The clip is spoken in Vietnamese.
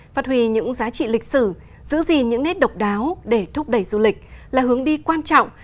phát huy những giá trị lịch sử giữ gìn những nét độc đáo để thúc đẩy du lịch là hướng đi quan trọng